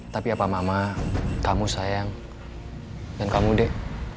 tapi apa mama kamu sayang dan kamu deh